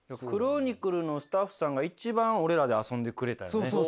『クロニクル』のスタッフさんが一番俺らで遊んでくれたよね。